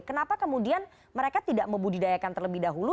kenapa kemudian mereka tidak membudidayakan terlebih dahulu